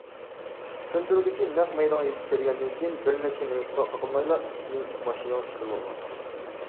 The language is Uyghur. كۆندۈرگۈچى نەق مەيدانغا يېتىپ كەلگەندىن كېيىن بىر نەچچە مىنۇتقا قالمايلا ئىتنى ماشىنىغا چىقىرىۋالغان.